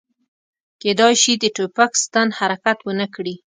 کیدای شي د ټوپک ستن حرکت ونه کړي